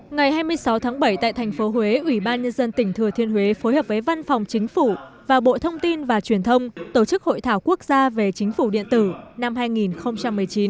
ngày hai mươi sáu tháng bảy tại thành phố huế ủy ban nhân dân tỉnh thừa thiên huế phối hợp với văn phòng chính phủ và bộ thông tin và truyền thông tổ chức hội thảo quốc gia về chính phủ điện tử năm hai nghìn một mươi chín